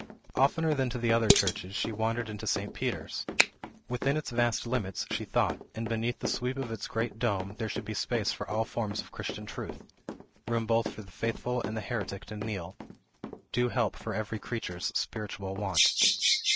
Oftener than to the other churches, she wandered into St. Peter's. Within its vast limits, she thought, and beneath the sweep of its great dome, there should be space for all forms of Christian truth; room both for the faithful and the heretic to kneel; due help for every creature's spiritual want.